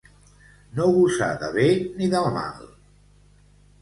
No gosar de bé ni de mal.